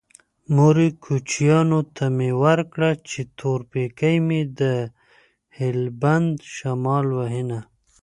مورې کوچيانو ته مې ورکړه چې تور پېکی مې د هلبند شمال وهينه